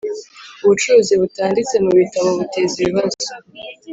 Ubucuruzi butanditse mu bitabo buteza ibibazo